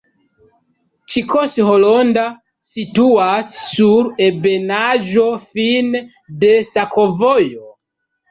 Ĉikoŝ-Horonda situas sur ebenaĵo fine de sakovojo.